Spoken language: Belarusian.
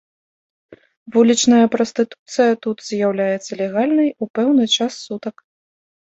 Вулічная прастытуцыя тут з'яўляецца легальнай ў пэўны час сутак.